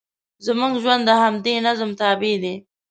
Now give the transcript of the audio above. زموږ ژوند د همدې نظم تابع دی.